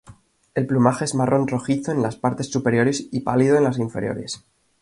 El plumaje es marrón rojizo en las partes superiores y pálido en las inferiores.